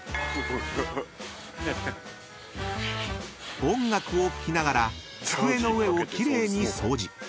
［音楽を聴きながら机の上を奇麗に掃除］